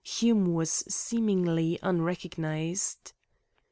Hume was seemingly unrecognised.